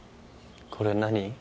これ何？